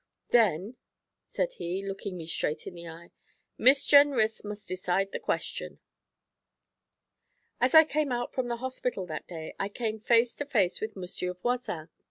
'Then,' said he, looking me straight in the eye, 'Miss Jenrys must decide the question.' As I came out from the hospital that day I came face to face with Monsieur Voisin.